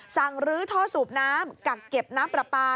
สั่งลื้อท่อสูบน้ำกักเก็บน้ำปลาปลา